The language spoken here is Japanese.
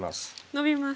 ノビます。